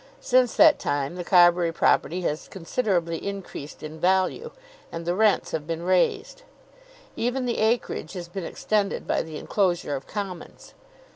Since that time the Carbury property has considerably increased in value, and the rents have been raised. Even the acreage has been extended by the enclosure of commons.